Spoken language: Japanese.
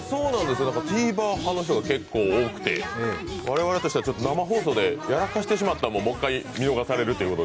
Ｔｖｅｒ派の人が結構多くて我々としては生放送でやらかしてしまったのも見られるということ